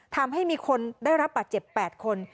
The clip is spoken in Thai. ทำให้มีคนได้รับบาดเจ็บ๘คน